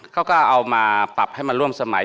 เขาก็เอามาปรับให้มาร่วมสมัย